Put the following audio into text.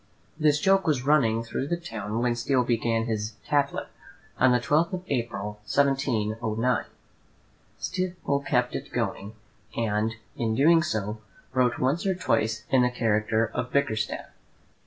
This joke was running through the town when Steele began his "Tatler" on the 12th of April, 1709. Steele kept it going, and, in doing so, wrote once or twice in the character of Bickerstaff.